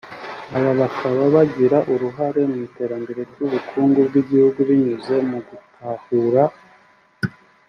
Aba bakaba bagira uruhare mu iterambere ry’ubukungu bw’igihugu binyuze mu gutahura